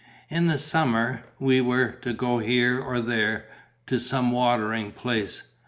In the summer, we were to go here or there, to some watering place.